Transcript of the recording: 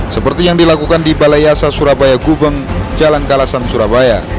seperti yang dilakukan di balai yasa surabaya gubeng jalan kalasan surabaya